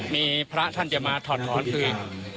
มีพระท่านจะมาถอดถอนคืน